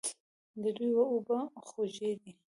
د دوی اوبه خوږې دي.